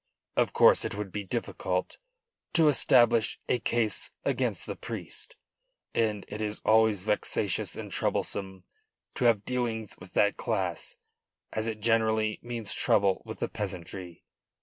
Of course it would be difficult to establish a case against the priest, and it is always vexatious and troublesome to have dealings with that class, as it generally means trouble with the peasantry.